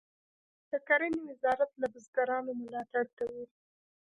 د کرنې وزارت له بزګرانو ملاتړ کوي.